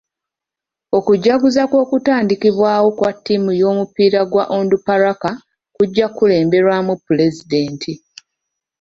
Okujaguza kw'okutandikibwawo kwa ttiimu y'omupiira eya Onduparaka kujja kukulemberwamu pulezidenti.